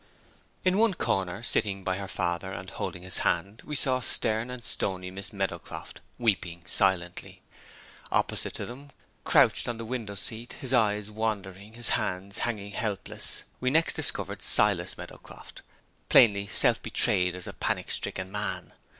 In one corner, sitting by her father, and holding his hand, we saw stern and stony Miss Meadowcroft weeping silently. Opposite to them, crouched on the window seat, his eyes wandering, his hands hanging helpless, we next discovered Silas Meadowcroft, plainly self betrayed as a panic stricken man.